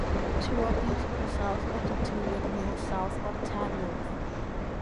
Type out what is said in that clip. Two of these are south of the two windmills south of Tadworth.